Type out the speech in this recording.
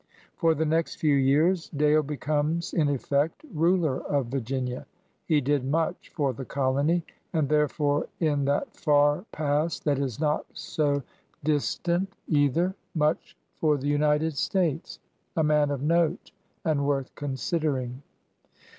For the next few years Dale becomes, in effect, ruler of Virginia. He did much for the colony, and therefore, in that far past that is not so dis 76 PIONEEBS OF THE OLD SOUTH tant either, much for the United States — a man of note, and worth considering.